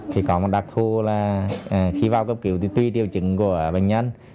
thì có một đặc thu là khi vào cấp cứu thì tùy tiêu chứng của bệnh nhân